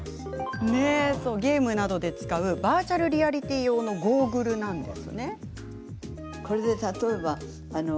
ゲームなどで使うバーチャルリアリティー用のゴーグルなんです。